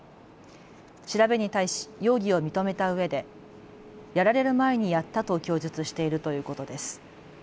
調べに対し容疑を認めたうえでやられる前にやったと供述しているということです。